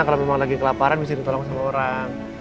kalau memang lagi kelaparan bisa ditolong sama orang